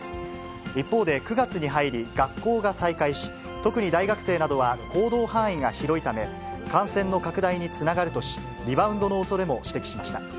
一方で、９月に入り、学校が再開し、特に大学生などは行動範囲が広いため、感染の拡大につながるとし、リバウンドのおそれも指摘しました。